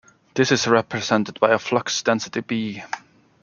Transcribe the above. This is represented by a flux density B.